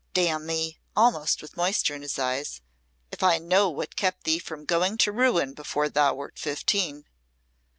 Damn me!" almost with moisture in his eyes, "if I know what kept thee from going to ruin before thou wert fifteen."